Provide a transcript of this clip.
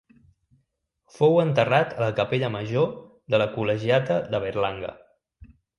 Fou enterrat a la capella major de la col·legiata de Berlanga.